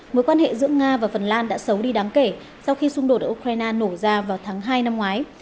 mối quan hệ giữa nga và phần lan đã xấu đi đáng kể sau khi xung đột ở ukraine nổ ra vào tháng hai năm ngoái